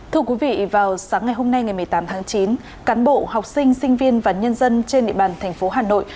thưa quý vị vào sáng ngày hôm nay ngày một mươi tám tháng chín cán bộ học sinh sinh viên và nhân dân trên địa bàn thành phố hà nội